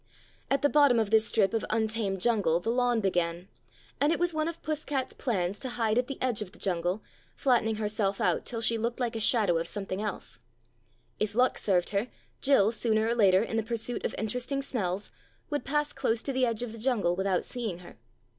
At the bottom of this strip of untamed jungle the lawn began, and it was one of Puss cat's plans to hide at the edge of the jungle, flatten ing herself out till she looked like a shadow ol something else. If luck served her, Jill, sooner or later in the pursuit of interesting smells, would pass close to the edge of the jungle without seeing her.